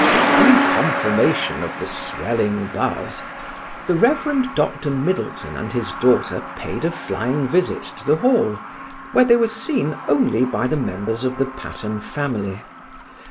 In confirmation of the swelling buzz, the Rev. Dr. Middleton and his daughter paid a flying visit to the Hall, where they were seen only by the members of the Patterne family.